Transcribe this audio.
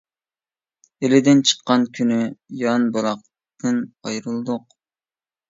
ئىلىدىن چىققان كۈنى، يان بۇلاقتىن ئايرىلدۇق.